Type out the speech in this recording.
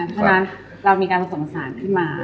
เพราะฉะนั้นเรามีการสงสารขึ้นมา